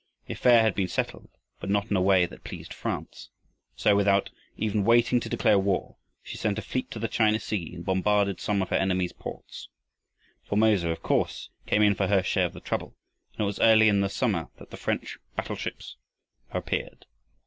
The affair had been settled but not in a way that pleased France. So, without even waiting to declare war, she sent a fleet to the China Sea and bombarded some of her enemy's ports. Formosa, of course, came in for her share of the trouble, and it was early in the summer that the French battle ships appeared.